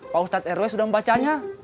pak ustadz rw sudah membacanya